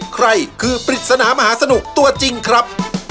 ใครคือปริศนามหาสนุกตัวจริงครับ